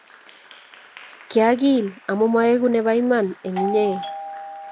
kyagil amu maegu nebo Iman eng inye